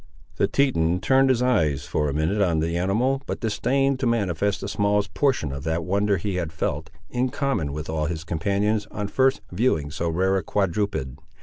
The Teton turned his eyes for a minute on the animal, but disdained to manifest the smallest portion of that wonder he had felt, in common with all his companions, on first viewing so rare a quadruped.